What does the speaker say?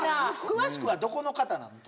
詳しくはどこの方なの？